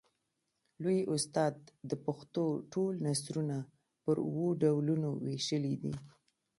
لوى استاد د پښتو ټول نثرونه پر اوو ډولونو وېشلي دي.